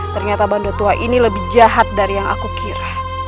ternyata bandu tua ini lebih jahat dari yang aku kira